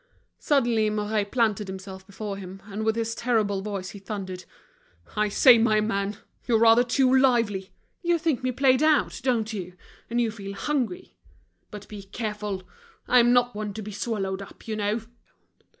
Suddenly Mouret planted himself before him, and with his terrible voice he thundered: "I say, my man, you're rather too lively. You think me played out, don't you? and you feel hungry. But be careful, I'm not one to be swallowed up, you know!"